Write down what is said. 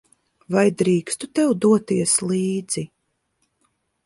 Vai drīkstu tev doties līdzi?